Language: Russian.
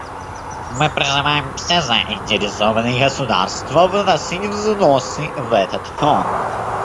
Мы призываем все заинтересованные государства вносить взносы в этот Фонд.